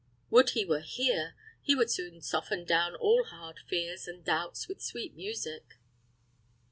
Would he were here: he would soon soften down all hard fears and doubts with sweet music."